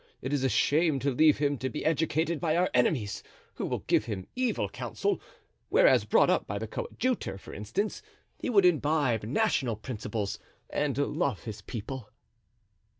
It is a shame to leave him to be educated by our enemies, who will give him evil counsel; whereas, brought up by the coadjutor, for instance, he would imbibe national principles and love his people."